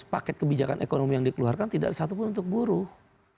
empat belas paket kebijakan ekonomi yang dikeluarkan tidak satu pun untuk buruh